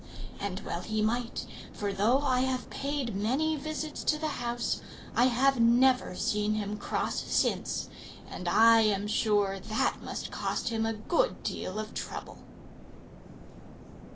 And well he might; for though I have paid many visits to the house, I have never seen him cross since; and I am sure that must cost him a good deal of trouble."